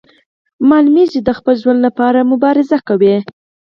ښکاري د خپل ژوند لپاره مبارزه کوي.